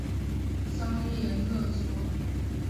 商业勒索